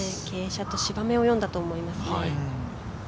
傾斜と芝目を読んだと思いますね。